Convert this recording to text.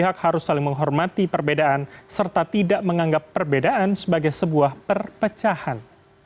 pihak harus saling menghormati perbedaan serta tidak menganggap perbedaan sebagai sebuah perpecahan